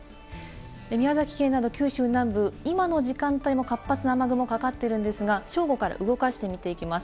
宮崎県など九州南部、今の時間帯も活発な雨雲かかってるんですが、正午から動かしてみていきます。